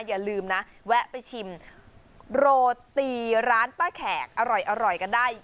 อย่าลืมนะแวะไปชิมโรตีร้านป้าแขกอร่อยกันได้